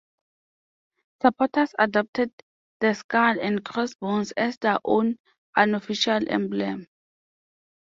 Supporters adopted the skull and crossbones as their own unofficial emblem.